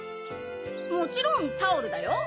もちろんタオルだよ。